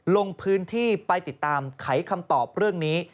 ลงพื้นที่ไปติดตามไขคำตอบเรื่องนี้